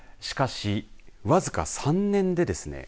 しかし僅か３年でですね